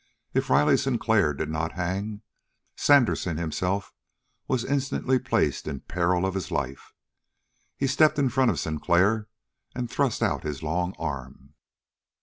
If Riley Sinclair did not hang, Sandersen himself was instantly placed in peril of his life. He stepped in front of Sinclair and thrust out his long arm.